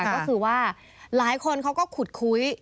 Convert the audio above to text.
ก็คือว่าหลายคนเขาก็ขุดคุย